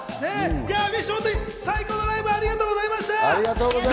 ＢｉＳＨ、本当に最高のライブをありがとうございました！